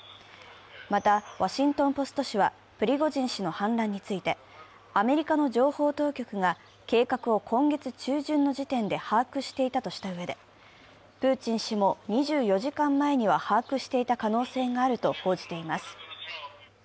また「ワシントン・ポスト」紙はプリゴジン氏の反乱について、アメリカの情報当局が計画を今月中旬の時点で把握していたとしたうえで、プーチン氏も２４時間前には把握していた可能性があると報じています。